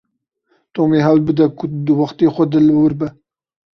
Tom dê hewl bide ku di wextê xwe de li wir be.